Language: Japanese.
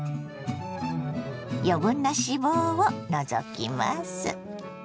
余分な脂肪を除きます。